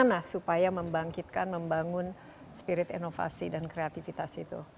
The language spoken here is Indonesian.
untuk kaya membangkitkan membangun spirit inovasi dan kreativitas itu